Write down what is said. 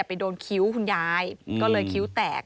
ไปโดนคิ้วคุณยายก็เลยคิ้วแตก